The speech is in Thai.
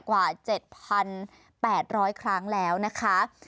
กว่า๗๘๐๐ครั้งแล้วนะคะ